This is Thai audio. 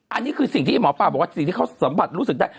อันนี้คือสิ่งที่หมอปลาบอกว่าสิ่งที่เขาสัมผัสรู้สึกได้